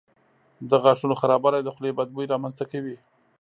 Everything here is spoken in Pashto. د غاښونو خرابوالی د خولې بد بوی رامنځته کوي.